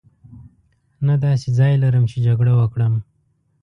نه داسې ځای لرم چې جګړه وکړم.